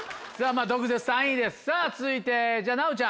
毒舌３位ですさぁ続いて奈央ちゃん。